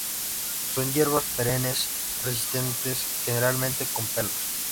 Son hierbas perennes resistentes generalmente con pelos.